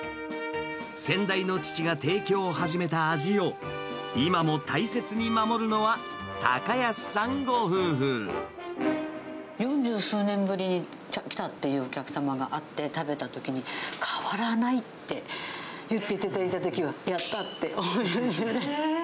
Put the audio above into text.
先代の父が提供を始めた味を、今も大切に守るのは、高安さんご四十数年ぶりに来たっていうお客様があって、食べたときに、変わらないって言っていただいたときは、やったって思いました。